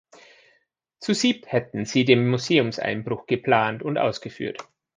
Zu siebt hätten sie den Museumseinbruch geplant und ausgeführt.